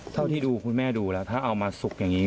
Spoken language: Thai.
เท่าที่ดูคุณแม่ดูแล้วถ้าเอามาสุกอย่างนี้